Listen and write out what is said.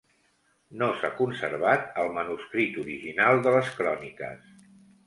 No s'ha conservat el manuscrit original de les cròniques.